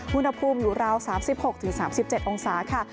อุณหภูมิอยู่ราว๓๖๓๗องศาค่ะ